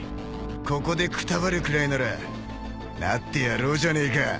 ここでくたばるくらいならなってやろうじゃねえか